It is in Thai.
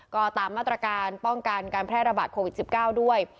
ก็ตามมาตรการป้องกันการแพร่ระบาดโควิด๑๙ด้วย